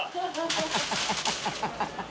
ハハハ